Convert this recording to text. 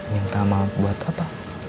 minta maaf buat apa